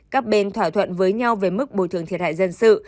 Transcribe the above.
các bên thỏa thuận với nhau về mức bồi thường thiệt hại dân sự